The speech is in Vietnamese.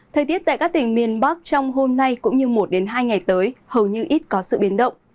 thời tiết tại các tỉnh miền bắc trong hôm nay cũng như một hai ngày tới hầu như ít có sự biến động